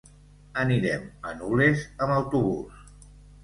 Anirem a Nules amb autobús.